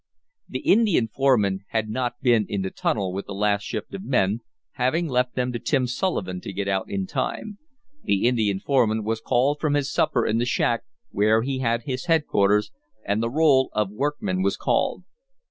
The Indian foreman had not been in the tunnel with the last shift of men, having left them to Tim Sullivan to get out in time. The Indian foreman was called from his supper in the shack where he had his headquarters, and the roll of workmen was called.